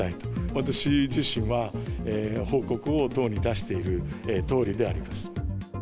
私自身は報告を党に出しているとおりであります。